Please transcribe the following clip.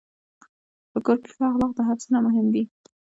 په کور کې ښه اخلاق د هر څه نه مهم دي.